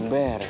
mungkin apa ya